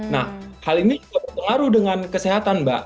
nah hal ini juga berpengaruh dengan kesehatan mbak